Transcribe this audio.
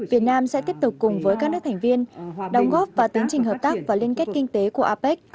việt nam sẽ tiếp tục cùng với các nước thành viên đồng góp vào tính trình hợp tác và liên kết kinh tế của apec